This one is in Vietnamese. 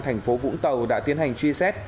thành phố vũng tàu đã tiến hành truy xét